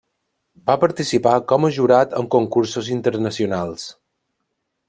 Va participar com a jurat en concursos internacionals.